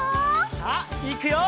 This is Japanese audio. さあいくよ！